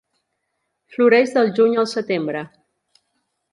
Floreix del juny al setembre.